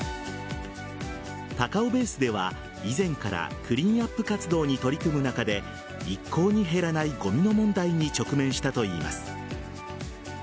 高尾ベースでは以前からクリーンアップ活動に取り組む中で一向に減らないごみの問題に直面したといいます。